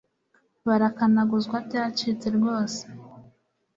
barakanaguzwa byacitse rwose